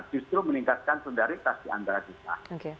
justru meningkatkan sondaritas di antara kita